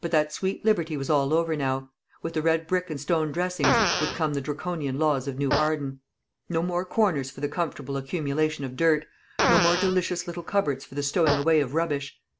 But that sweet liberty was all over now: with the red brick and stone dressings would come the Draconian laws of New Arden; no more corners for the comfortable accumulation of dirt, no more delicious little cupboards for the stowing away of rubbish.